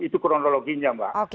itu kronologinya mbak